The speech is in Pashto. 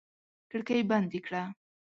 کړکۍ بندې کړه!